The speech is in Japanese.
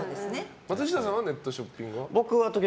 松下さんネットショッピングは？